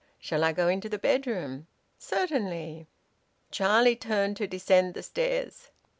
"Shall I go into the bedroom?" "Certainly." Charlie turned to descend the stairs.